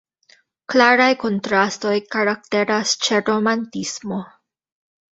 Klaraj kontrastoj karakteras ĉe romantismo.